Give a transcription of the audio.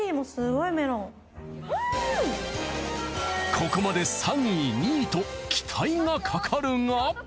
ここまで３位２位と期待がかかるが。